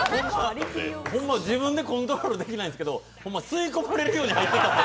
ホンマ自分でコントロールできないんですけど、吸い込まれるように入ってた。